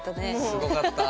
すごかった。